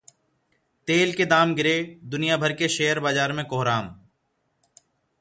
तेल के दाम गिरे, दुनियाभर के शेयर बाजार में कोहराम